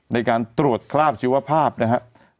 ในการตรวจคราบชีวภาพนะครับ